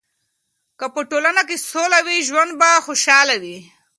که په ټولنه کې سوله وي، ژوند به خوشحاله وي.